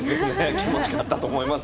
気持ちよかったと思います。